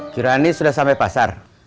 kirani sudah sampai pasar